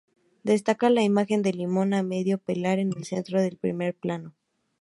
Destaca la imagen del limón a medio pelar en el centro del primer plano.